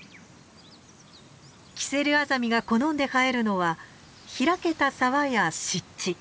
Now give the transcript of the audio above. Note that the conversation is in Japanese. キセルアザミが好んで生えるのは開けた沢や湿地。